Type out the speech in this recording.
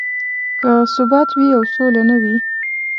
که ثبات وي او سوله نه وي.